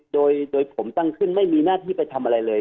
โดยผมตั้งขึ้นไม่มีหน้าที่ไปทำอะไรเลย